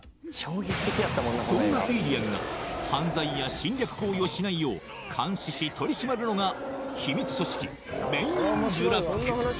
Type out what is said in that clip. そんなエイリアンが犯罪や侵略行為をしないよう監視し取り締まるのが秘密組織「メン・イン・ブラック」